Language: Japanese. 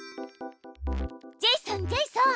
ジェイソンジェイソン！